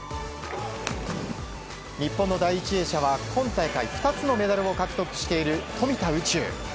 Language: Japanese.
日本の第１泳者は今大会２つのメダルを獲得している富田宇宙。